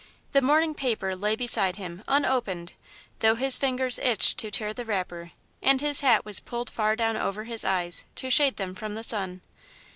The morning paper lay beside him, unopened, though his fingers itched to tear the wrapper, and his hat was pulled far down over his eyes, to shade them from the sun.